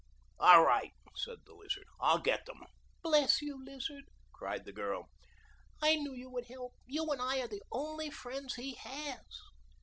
"All right," said the Lizard; "I'll get them." "Bless you, Lizard," cried the girl. "I knew you would help. You and I are the only friends he has.